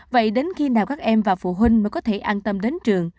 vậy đến khi nào các em và phụ huynh mới có thể an tâm đến trường